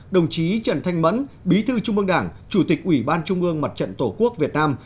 đồng chí trần thanh mẫn bí thư trung ương đảng chủ tịch ủy ban trung ương mặt trận tổ quốc việt nam